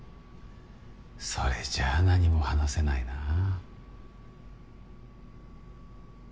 それじゃあ何も話せないなあ。